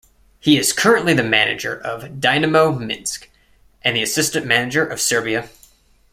He is currently the manager of Dinamo Minsk and the assistant manager of Serbia.